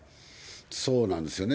そうなんですよね。